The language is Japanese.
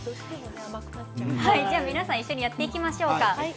一緒にやっていきましょうか。